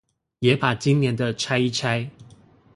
也把今年的拆一拆